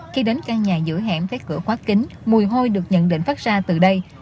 khi đến căn nhà giữa hẻm các cửa khóa kính mùi hôi được nhận định phát ra từ đây